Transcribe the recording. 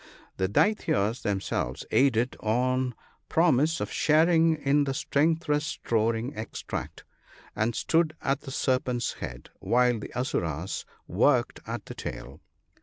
The Daityas themselves aided on promise of sharing in the strength restoring extract, and stood at the serpent's head while the Asuras worked at the tail.